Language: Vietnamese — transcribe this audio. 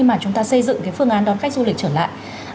mà chúng ta xây dựng cái phương án đón khách du lịch trở lại